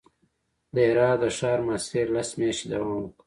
د هرات د ښار محاصرې لس میاشتې دوام وکړ.